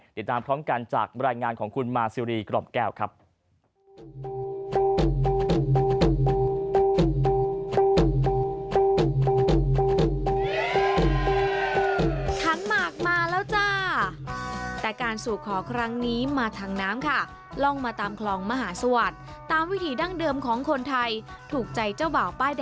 เดี๋ยวตามพร้อมกันจากรายงานของคุณมาซีรีส์กรอบแก้วครับ